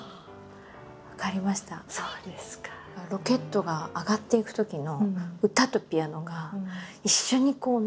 ロケットが上がっていくときの歌とピアノが一緒にのぼってる感じ。